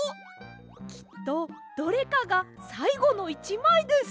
きっとどれかがさいごの１まいです！